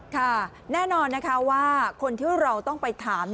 ค่ะแน่นอนนะคะว่าคนที่เราต้องไปถาม